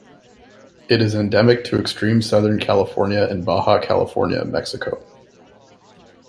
It is endemic to extreme southern California and Baja California, Mexico.